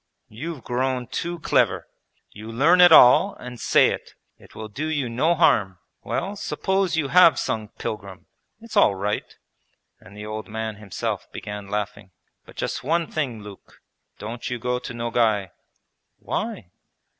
'You've grown too clever! You learn it all, and say it. It will do you no harm. Well, suppose you have sung "Pilgrim", it's all right,' and the old man himself began laughing. 'But just one thing, Luke, don't you go to Nogay!' 'Why?'